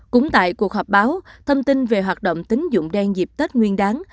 cũng tại cuộc họp báo thông tin về hoạt động tính dụng đen dịp tết nguyên đáng